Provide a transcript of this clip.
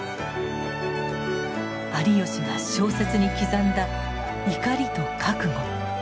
有吉が小説に刻んだ怒りと覚悟。